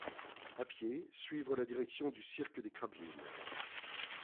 À pied suivre la direction du cirque des Crabioules.